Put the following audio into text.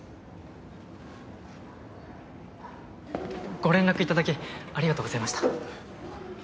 ご連絡いただきありがとうございました。